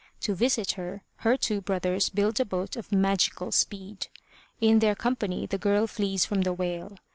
To visit her, her two brothers build a boat of magical speed. In their company the girl flees from the whale.